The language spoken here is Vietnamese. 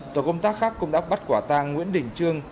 tổ công tác khác cũng đã bắt quả tang nguyễn đình trương